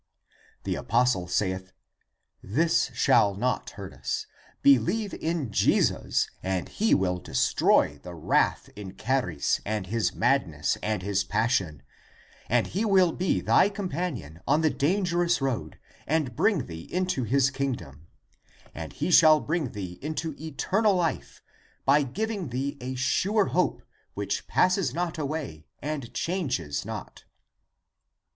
The apostle saith, " This shall not hurt us. Believe in Jesus, and he will destroy the wrath in Charis and his ACTS OF THOMAS 309 madness and his passion, and he will be thy com panion on the dangerous road and bring thee into his kingdom; and he shall bring thee into eternal life, by giving thee a sure hope, which passes not away and changes not."